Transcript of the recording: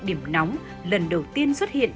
điểm nóng lần đầu tiên xuất hiện